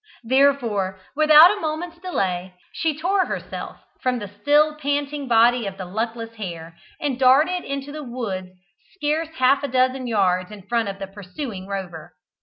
Therefore, without a moment's delay, she tore herself from the still panting body of the luckless hare, and darted into the wood scarce half a dozen yards in front of the pursuing Rover.